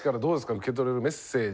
受け取れるメッセージ。